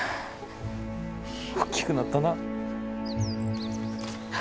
おっきくなったなぁ。